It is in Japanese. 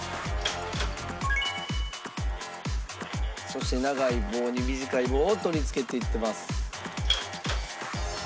そして長い棒に短い棒を取り付けていってます。